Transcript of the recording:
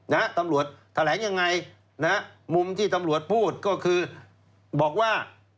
นะฮะตำรวจแถลงยังไงนะฮะมุมที่ตำรวจพูดก็คือบอกว่า